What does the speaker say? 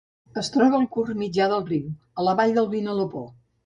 Es troba al curs mitjà del riu, a la vall del Vinalopó.